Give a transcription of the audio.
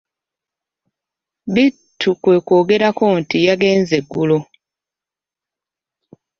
Bittu kwe kwongerako nti:"yagenze ggulo"